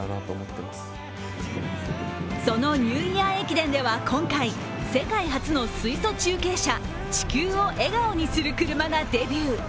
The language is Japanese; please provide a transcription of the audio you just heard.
そのニューイヤー駅伝では今回、世界初の水素中継車、地球を笑顔にするくるまがデビュー。